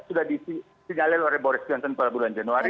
sudah di signalil oleh boris johnson pada bulan januari